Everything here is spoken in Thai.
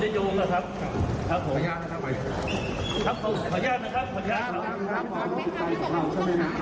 ไม่ส่วนบนเลยครับแล้วเพื่อนสามารถที่จะขอบคุณคุณเพื่อนนะครับ